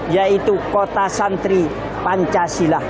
yaitu kota santri pancasila